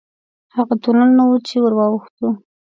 هغه تونل نه و چې ورواوښتو.